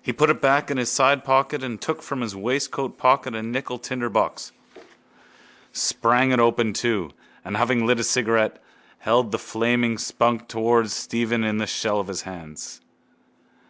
He put it back in his sidepocket and took from his waistcoatpocket a nickel tinderbox, sprang it open too, and, having lit his cigarette, held the flaming spunk towards Stephen in the shell of his hands.